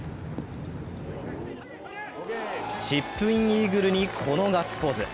チップインイーグルに、このガッツポーズ。